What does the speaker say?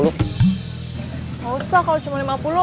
nggak usah kalau cuma lima puluh